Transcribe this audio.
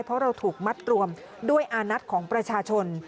เพราะเราถูกมัดรวมด้วยอานัทของประชาชน